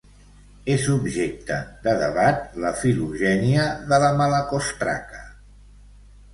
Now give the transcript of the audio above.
Es objecte de debat la filogènia de la Malacostraca.